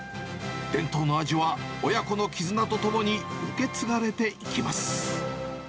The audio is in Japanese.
伝統の味は親子の絆とともに受け継がれていきます。